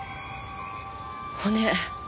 骨！